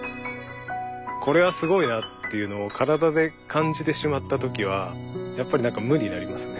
これはすごいなっていうのを体で感じてしまった時はやっぱり何か無になりますね。